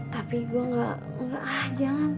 tapi gue gak ah jangan